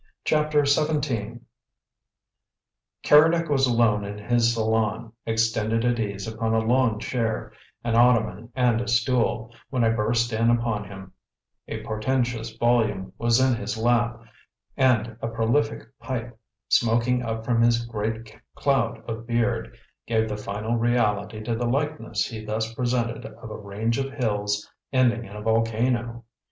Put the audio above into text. CHAPTER XVII Keredec was alone in his salon, extended at ease upon a long chair, an ottoman and a stool, when I burst in upon him; a portentous volume was in his lap, and a prolific pipe, smoking up from his great cloud of beard, gave the final reality to the likeness he thus presented of a range of hills ending in a volcano.